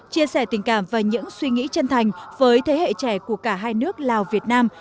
chia sẻ tình cảm và những suy nghĩ chân thành với thế hệ trẻ của cả hai nước lào việt nam